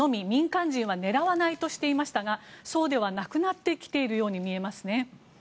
民間人は狙わないとしていましたがそうではなくなってきているように見えますね。